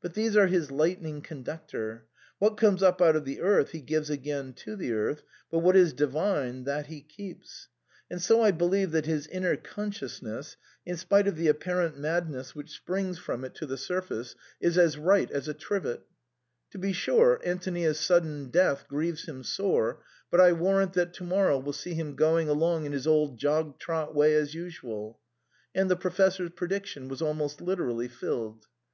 But these are his light ning conductor. What comes up out of the earth he gives again to the earth, but what is divine, that he keeps ; and so I believe that his inner consciousness, in spite of the apparent madness which springs from it to 20 THE CREMONA VIOLIN, the surface, is as right as a trivet To be sure, Antonia's sudden death grieves him sore, but I warrant that to morrow will see him going along in his old jog trot way as usual." And the Professor's prediction was almost literally filled.